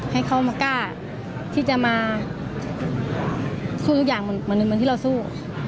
ให้เขามากล้าที่จะมาสู้ทุกอย่างเหมือนที่เราสู้